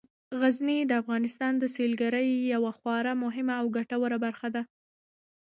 غزني د افغانستان د سیلګرۍ یوه خورا مهمه او ګټوره برخه ده.